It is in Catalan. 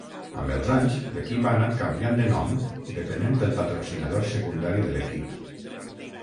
Amb els anys l'equip ha anat canviant de nom depenent del patrocinador secundari de l'equip.